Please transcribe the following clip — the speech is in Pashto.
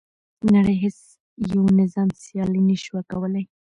نړۍ هیڅ یو نظام سیالي نه شوه کولای.